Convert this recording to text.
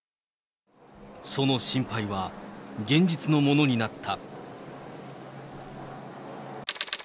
その心配は現実のものになった。